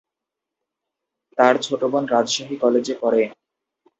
তার ছোট বোন রাজশাহী কলেজে পড়ে।